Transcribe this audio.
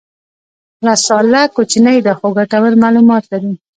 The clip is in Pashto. رساله کوچنۍ ده خو ګټور معلومات لري.